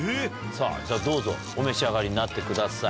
じゃあどうぞお召し上がりになってください。